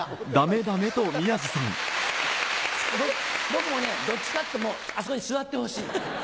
僕もねどっちかっていうともうあそこに座ってほしい。